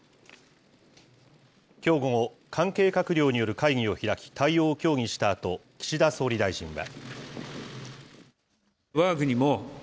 きょう午後、関係閣僚による会議を開き、対応を協議したあと、岸田総理大臣は。